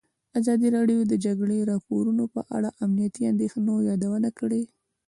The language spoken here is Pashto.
ازادي راډیو د د جګړې راپورونه په اړه د امنیتي اندېښنو یادونه کړې.